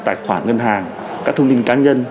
tài khoản ngân hàng các thông tin cá nhân